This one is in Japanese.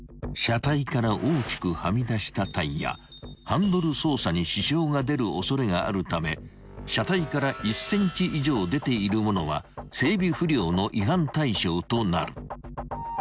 ［ハンドル操作に支障が出る恐れがあるため車体から１ｃｍ以上出ているものは整備不良の違反対象となる］